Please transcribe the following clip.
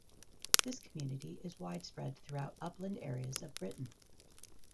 This community is widespread throughout upland areas of Britain.